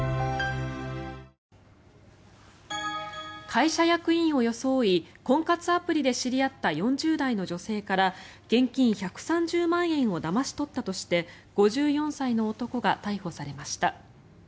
会社役員を装い婚活アプリで知り合った４０代の女性から現金１３０万円をだまし取ったとして５４歳の男が逮捕されました。